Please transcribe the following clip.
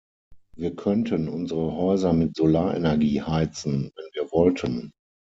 Wir könnten unsere Häuser mit Solarenergie heizen, wenn wir wollten.